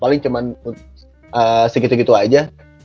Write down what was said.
paling cuma segitu gitu aja